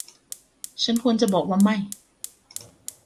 ฉันควรจะบอกว่าไม่